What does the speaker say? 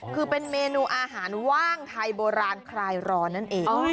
คือเป็นเมนูอาหารว่างไทยโบราณคลายร้อนนั่นเอง